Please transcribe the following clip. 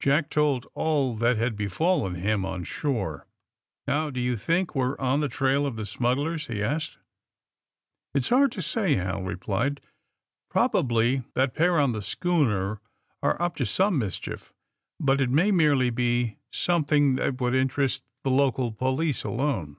Jack told all that had befallen him on shore. ^^Now^ do you think we're on the trail 6f the smugglers?'^ he asked. *^It's hard to say/' Hal replied, ^* Probably that pair on the schooner are up to some mis chief, but it may merely be something that would interest the local police alone.